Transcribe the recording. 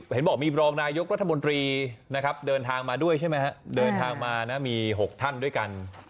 เห็นบอกมีบรองนายกรัฐมนตรีนะครับเดินทางมาด้วยใช่ไหมฮะเดินทางมานะมี๖ท่านด้วยกัน